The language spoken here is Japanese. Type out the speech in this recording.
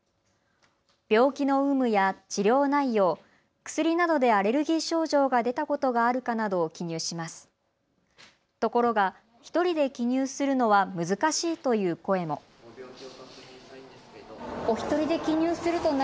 病気の有無や治療内容、薬などでアレルギー症状が出たことがあるかなどを記入します。